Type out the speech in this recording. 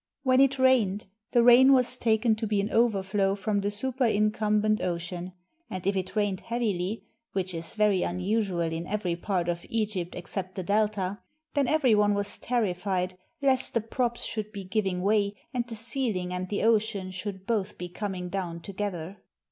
When it rained 7 EGYPT the rain was taken to be an overflow from the superin cumbent ocean; and if it rained heavily (which is very imusual in every part of Egypt except the Delta), then every one was terrified lest the props should be giving way, and the ceiling and the ocean should both be coming down together.